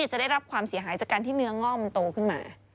จะได้รับความเสียหายจากการที่เนื้องอกมันโตขึ้นมา